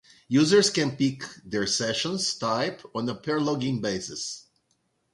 Users can pick their session type on a per-login basis.